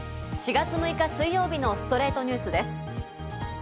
４月６日、水曜日の『ストレイトニュース』です。